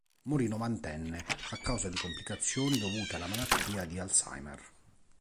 Morì novantenne a causa di complicazioni dovute alla malattia di Alzheimer.